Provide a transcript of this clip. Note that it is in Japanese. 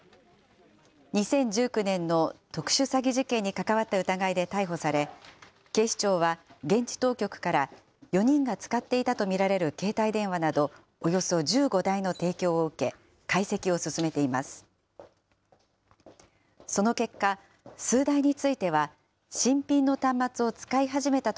２０１９年の特殊詐欺事件に関わった疑いで逮捕され、警視庁は現地当局から４人が使っていたと見られる携帯電話など、およそ１５台の提供を受け、解析を進めています。